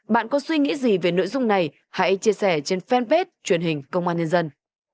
bạn có suy nghĩ gì về nội dung này hãy chia sẻ trên fanpage truyền hình công an nhân dân